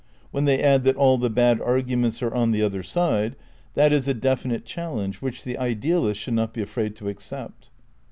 When they J^^ the add that all the bad arguments are on the other side, 5*^ Counter that is a definite challenge which the idealist should part not be afraid to accept.